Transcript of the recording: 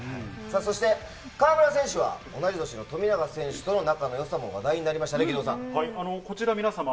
そして、河村選手は、同い年の富永選手との仲のよさも話題になりましたね、義堂さん。